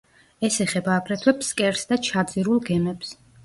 ეს ეხება აგრეთვე ფსკერს და ჩაძირულ გემებს.